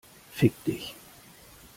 Fick dich!